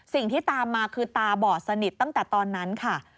สิ่งที่ตามมาคือตาบอดสนิทตั้งแต่ตอนนั้นค่ะ